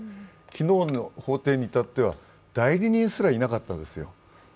昨日の法廷に至っては代理人すらいなかったですよ。